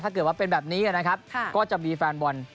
ถ้าเกิดว่าเป็นแบบนี้นะครับก็จะมีแฟนบอล